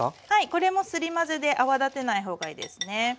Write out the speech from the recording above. これもすり混ぜで泡立てないほうがいいですね。